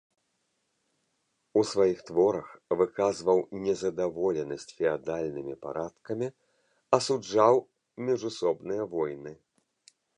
У сваіх творах выказваў незадаволенасць феадальнымі парадкамі, асуджаў міжусобныя войны.